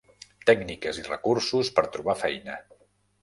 Tècniques i recursos per trobar feina.